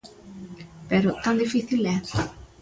Pero, ¿tan difícil é?